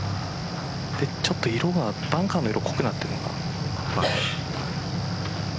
ちょっとバンカーの色が濃くなっているのが。